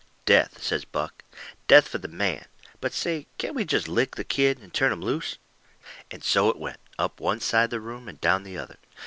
"Death," says Buck; "death for the man. But say, can't we jest LICK the kid and turn him loose?" And so it went, up one side the room and down the other.